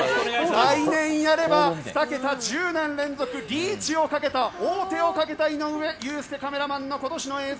来年やれば２桁１０年連続リーチをかけた、王手をかけた井上祐介カメラマンの今年の映像